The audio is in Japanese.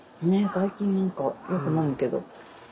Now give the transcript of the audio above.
最近何かよく飲むけど。